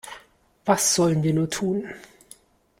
Was sollen wir nur tun?